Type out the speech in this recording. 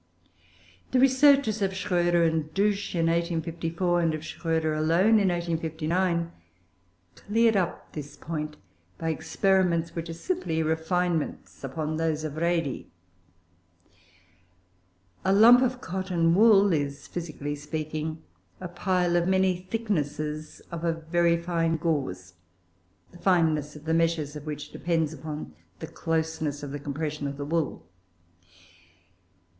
The researches of Schroeder and Dusch in 1854, and of Schroeder alone, in 1859, cleared up this point by experiments which are simply refinements upon those of Redi. A lump of cotton wool is, physically speaking, a pile of many thicknesses of a very fine gauze, the fineness of the meshes of which depends upon the closeness of the compression of the wool.